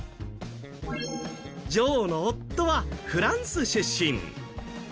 女王の夫はフランス出身。